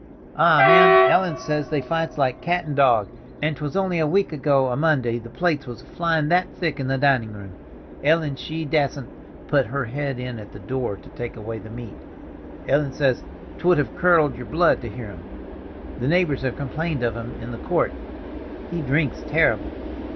Ah, ma'am, Ellen says they fights like cat and dog, and 'twas only a week ago a Monday the plates was flyin' that thick in the dinin' room, Ellen she dassent put her head in at the door to take away the meat. Ellen says 'twould have curdled y'r blood to hear 'em. The neighbors have complained of 'em in the court. He drinks terrible!"